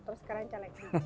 terus sekarang caleg